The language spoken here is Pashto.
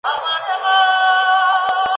هغه به بله میاشت خپله څېړنه پای ته ورسوي.